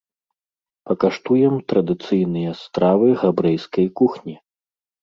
Пакаштуем традыцыйныя стравы габрэйскай кухні.